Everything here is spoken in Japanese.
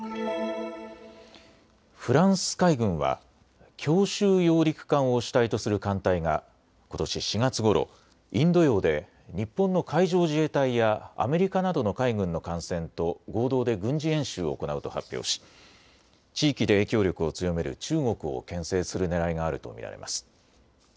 フランス海軍は強襲揚陸艦を主体とする艦隊がことし４月ごろインド洋で日本の海上自衛隊やアメリカなどの海軍の艦船と合同で軍事演習を行うと発表し地域で影響力を強める中国をけん制するねらいがあると見られます。